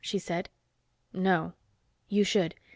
she said. "No." "You should.